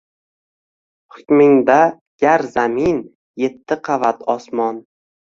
Hukmingda gar zamin, yetti qavat osmon